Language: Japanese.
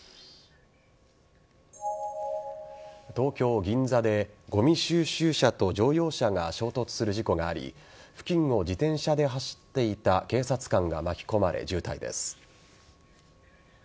東京・銀座でごみ収集車と乗用車が衝突する事故があり付近を自転車で走っていた警察官が巻き込まれ重体です。